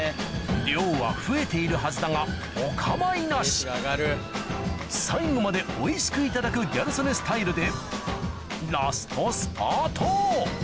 量は増えているはずだがお構いなし最後までおいしくいただくギャル曽根スタイルでラストスパート！